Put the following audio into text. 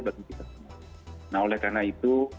bagi kita semua nah oleh karena itu